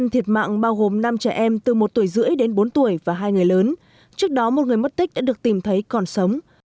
thiệt mạng bao gồm năm trẻ em từ một tuổi rưỡi đến bốn tuổi và hai người lớn trước đó một người mất tích đã được tìm thấy còn sống